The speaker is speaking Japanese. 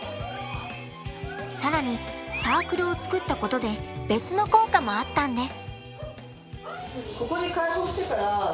更にサークルを作ったことで別の効果もあったんです。